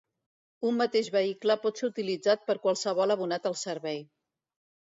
Un mateix vehicle pot ser utilitzat per qualsevol abonat al servei.